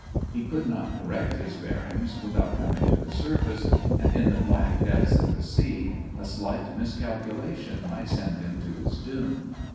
He could not correct his bearings without coming to the surface, and, in the black depths of the sea, a slight miscalculation might send him to his doom.